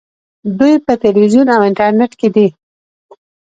دوی په تلویزیون او انټرنیټ کې دي.